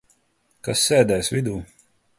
Kas sēdēs vidū?